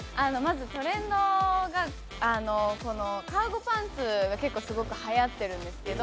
トレンドがこのカーゴパンツがすごくはやってるんですけど。